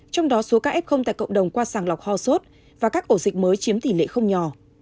trong đó số ca f tại cộng đồng qua sàng lọc ho sốt và các ổ dịch mới chiếm tỷ lệ không nhỏ